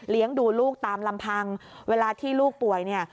ดูลูกตามลำพังเวลาที่ลูกป่วยเนี่ย